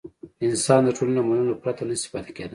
انسان د ټولنې له منلو پرته نه شي پاتې کېدای.